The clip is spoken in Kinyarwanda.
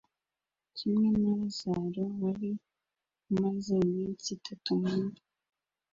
kimwe na lazaro wari umaze iminsi itatu mu mva